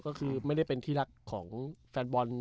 ก็คือไม่ได้เป็นที่รักของแฟนบอล